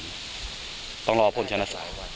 ก็ต้องรอพลชนะสายวัน